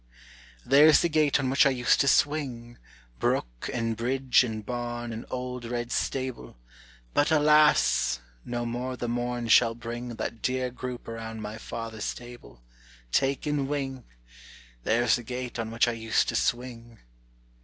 "There's the gate on which I used to swing, Brook, and bridge, and barn, and old red stable; But alas! no more the morn shall bring That dear group around my father's table; Taken wing! There's the gate on which I used to swing.